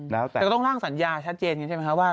แต่ก็ต้องล่างสัญญาชัดเจนใช่ไหมครับ